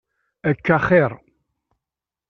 Akka axiṛ.